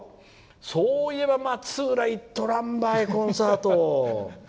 そういえば松浦行っとらんばいコンサート。